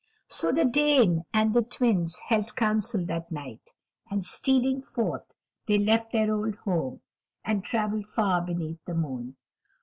So the Dame and the Twins held counsel that night, and stealing forth, they left their old home, and traveled far beneath the moon.